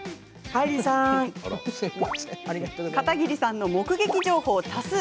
片桐さんの目撃情報多数。